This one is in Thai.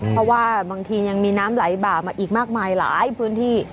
เพราะว่าบางทียังมีน้ำไหลบ่ามาอีกมากมายหลายพื้นที่